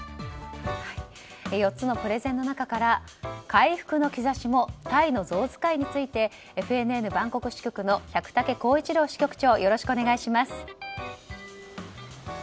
４つのプレゼンの中から回復の兆しもタイのゾウ使いについてＦＮＮバンコク支局の百武弘一朗支局長よろしくお願いします。